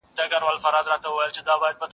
دښمن خپل سرتیري او ټپیان له لاسه ورکړل